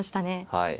はい。